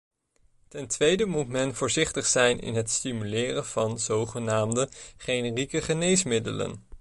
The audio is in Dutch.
Ten tweede moet men voorzichtig zijn in het stimuleren van zogenaamde generieke geneesmiddelen.